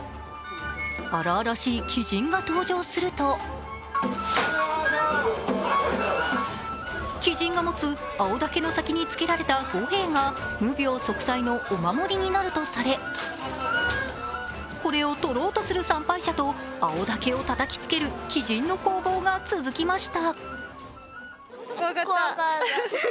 荒々しい鬼神が登場すると鬼神が持つ青竹の先につけられた御幣が無病息災のお守りになるとされ、これを取ろうとする参拝者と、青竹をたたきつける鬼神の攻防が続きました。